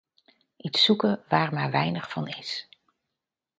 Iets zoeken waar maar weinig van is.